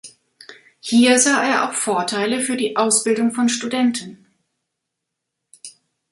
Hier sah er auch Vorteile für die Ausbildung von Studenten.